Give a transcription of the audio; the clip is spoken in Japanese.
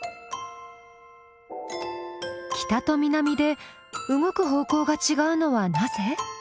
北と南で動く方向がちがうのはなぜ？